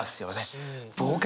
「冒険」